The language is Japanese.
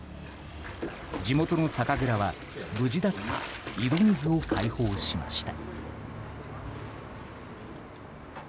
地元の酒蔵は無事だった井戸水を開放しました。